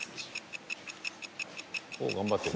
［おお頑張ってる］